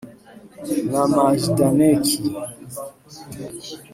na Majdaneki